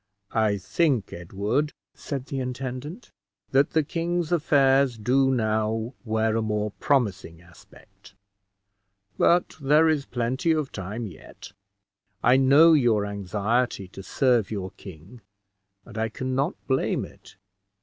"I think, Edward," said the intendant, "that the king's affairs do now wear a more promising aspect; but there is plenty of time yet. I know your anxiety to serve your king, and I can not blame it.